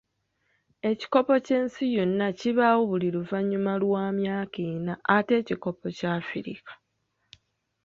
Ekikopo ky'ensi yonna kibaawo buli luvannyuma lwa myaka ena ate ekikopo kya Afirika?